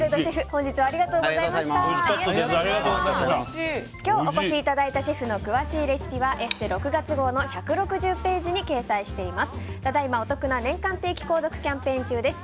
今日お越しいただいたシェフの詳しいレシピは「ＥＳＳＥ」６月号の１６０ページに掲載しています。